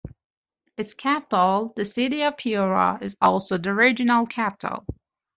Its capital, the city of Piura, is also the regional capital.